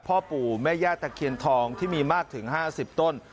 พ่อปู่แม่ย่าตะเคียนทองที่มีมากถึง๕๐ต้น